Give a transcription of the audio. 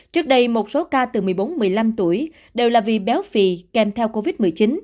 trước đây một số ca từ một mươi bốn một mươi năm tuổi đều là vì béo phì kèm theo covid một mươi chín